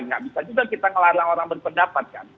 nggak bisa juga kita ngelarang orang berpendapat kan